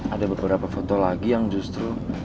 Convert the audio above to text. ada beberapa foto lagi yang justru